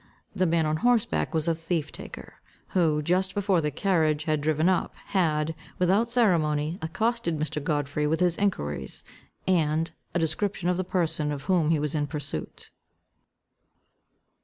The man on horse back was a thief taker, who, just before the carriage had driven up, had, without ceremony, accosted Mr. Godfrey with his enquiries, and a description of the person of whom he was in pursuit.